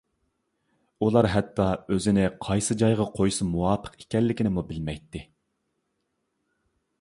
ئۇلار ھەتتا ئۆزىنى قايسى جايغا قويسا مۇۋاپىق ئىكەنلىكنىمۇ بىلمەيتتى.